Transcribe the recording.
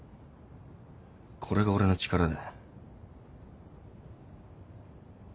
これが俺の力だ。